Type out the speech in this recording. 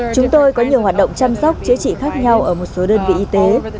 chúng tôi có nhiều hoạt động chăm sóc chữa trị khác nhau ở một số đơn vị y tế